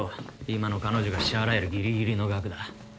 今の彼女が支払えるぎりぎりの額だ。